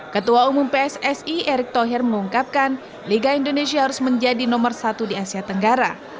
ketua umum pssi erick thohir mengungkapkan liga indonesia harus menjadi nomor satu di asia tenggara